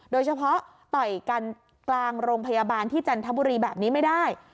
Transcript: โดยเฉพาะต่อยกันกลางโรงพยาบาลที่จันทบุรีแบบนี้ไม่ได้